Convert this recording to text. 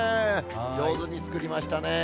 上手に作りましたね。